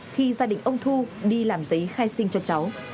khi gia đình ông thu đi làm giấy khai sinh cho cháu